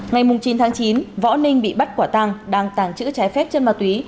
ngày chín chín võ ninh bị bắt quả tăng đăng tàng chữ trái phép chân ma túy